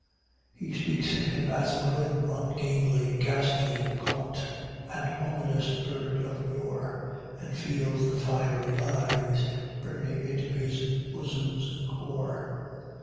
He speaks of him as a "grim, ungainly, ghastly, gaunt, and ominous bird of yore," and feels the "fiery eyes" burning into his "bosom's core."